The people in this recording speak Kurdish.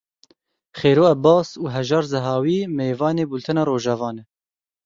Xêro Ebas û Hejar Zehawî mêvanê Bultena Rojava ne.